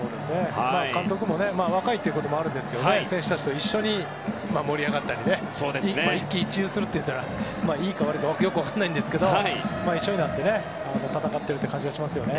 監督も若いということもありますが選手たちと一緒に盛り上がったり一喜一憂するのはいいか悪いかよく分からないですが一緒になって戦っている感じがします。